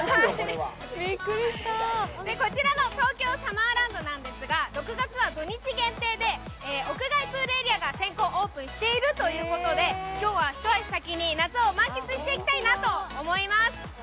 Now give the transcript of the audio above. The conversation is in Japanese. こちらの東京サマーランドなんですが６月は土日限定で屋外プールエリアが先行オープンしているということで、今日は一足先に夏を満喫していきたいなと思います。